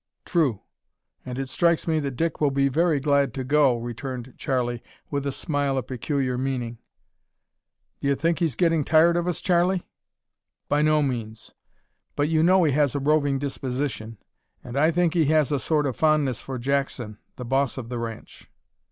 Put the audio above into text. "True; and it strikes me that Dick will be very glad to go," returned Charlie with a smile of peculiar meaning. "D'ye think he's getting tired of us, Charlie?" "By no means. But you know he has a roving disposition, and I think he has a sort of fondness for Jackson the boss of the ranch."